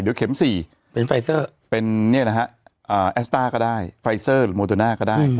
เดี๋ยวเข็ม๔เป็นแอสต้าก็ได้ไฟเซอร์โมเดน่าก็ได้